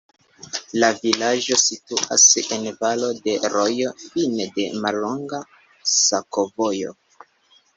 La vilaĝo situas en valo de rojo, fine de mallonga sakovojo.